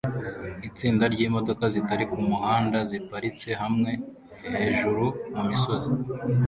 Itsinda ryimodoka zitari kumuhanda ziparitse hamwe hejuru mumisozi